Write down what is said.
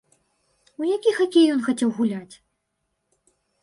У які хакей ён хацеў гуляць?